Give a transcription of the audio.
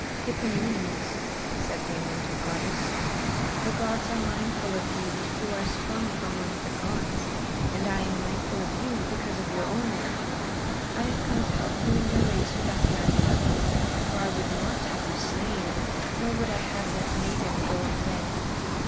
"Hippomenes," said the immortal goddess, "the gods are mindful of you who are sprung from one of the gods, and I am mindful of you because of your own worth. I have come to help you in your race with Atalanta, for I would not have you slain, nor would I have that maiden go unwed.